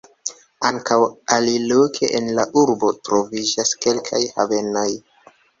Ankaŭ aliloke en la urbo troviĝas kelkaj havenoj.